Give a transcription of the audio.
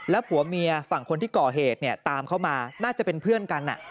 แล้วหัวเมียฝั่งคนที่ก่อเหตุตามเข้ามาน่าจะเป็นเพื่อนกันน่ะ